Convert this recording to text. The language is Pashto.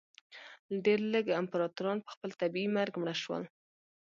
ډېر لږ امپراتوران په خپل طبیعي مرګ مړه شول.